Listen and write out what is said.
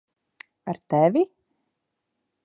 Ar tevi?